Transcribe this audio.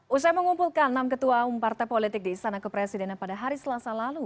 usai mengumpulkan enam ketua umum partai politik di istana kepresidenan pada hari selasa lalu